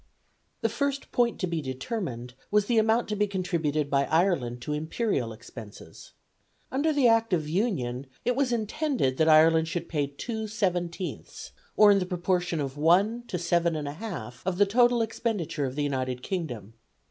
The first point to be determined was the amount to be contributed by Ireland to imperial expenses. Under the Act of Union it was intended that Ireland should pay 2/17ths, or in the proportion of 1 to 7 1/2 of the total expenditure of the United Kingdom.